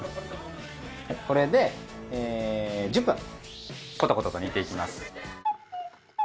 これで１０分コトコトと煮ていきます。